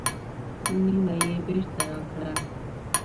نیمه یې بېرته راکړه.